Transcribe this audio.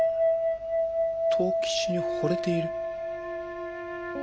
藤吉にほれている？